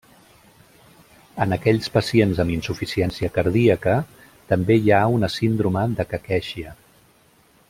En aquells pacients amb insuficiència cardíaca també hi ha una síndrome de caquèxia.